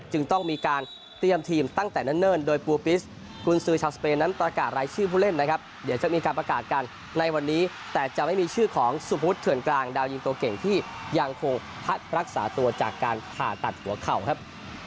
จึงต้องมีการเตรียมทีมตั้งแต่เนิ่นโดยปูปิสกุญสือชาวสเปนนั้นประกาศรายชื่อผู้เล่นนะครับเดี๋ยวจะมีการประกาศกันในวันนี้แต่จะไม่มีชื่อของสุพุทธเถื่อนกลางดาวยิงตัวเก่งที่ยังคงพักรักษาตัวจากการผ่าตัดหัวเข่าครับ